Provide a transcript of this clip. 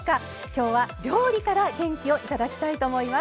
今日は料理から元気を頂きたいと思います。